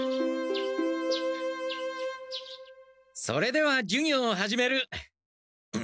それでは授業を始める。